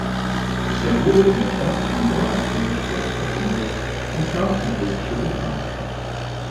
Er wurde in der Schlacht in Galizien schwer verwundet und kam in russische Gefangenschaft.